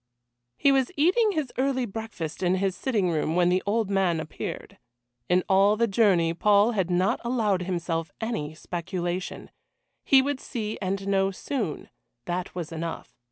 He was eating his early breakfast in his sitting room when the old man appeared. In all the journey Paul had not allowed himself any speculation he would see and know soon, that was enough.